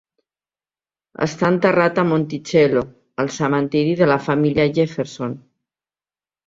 Està enterrat a Monticello, al cementiri de la família Jefferson.